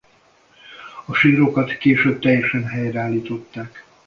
A sírokat később teljesen helyreállították.